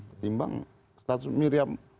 ketimbang status miriam